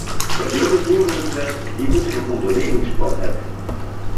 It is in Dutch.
Wat jonge boeren betreft, die moeten een ondernemingsplan hebben.